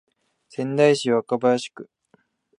仙台市若林区